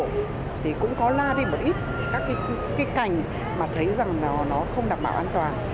thì cũng có la đi một ít các cái cành mà thấy rằng là nó không đảm bảo an toàn